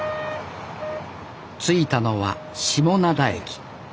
着いたのは下灘駅。